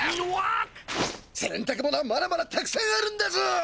せんたく物はまだまだたくさんあるんだぞ！